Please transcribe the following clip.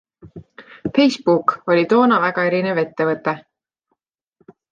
Facebook oli toona väga erinev ettevõte.